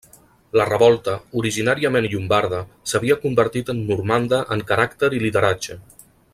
La revolta, originàriament llombarda, s'havia convertit en normanda en caràcter i lideratge.